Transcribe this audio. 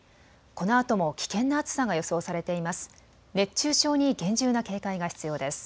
このあとも危険な暑さが予想されています。